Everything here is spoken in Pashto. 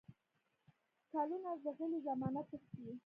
کلونه زغلي، زمانه تښتي